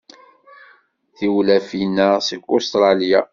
Tiwlafin-a seg Ustṛalya.